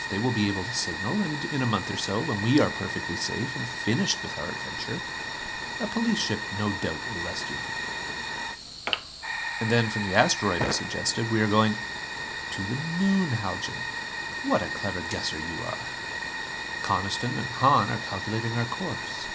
They will be able to signal. And in a month or so, when we are perfectly safe and finished with our adventure, a police ship no doubt will rescue them." "And then, from the asteroid," I suggested, "we are going " "To the Moon, Haljan. What a clever guesser you are! Coniston and Hahn are calculating our course.